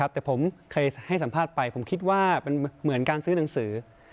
แต่ผมเคยให้สัมภาษณ์ไปผมคิดว่ามันเหมือนการซื้อหนังสือ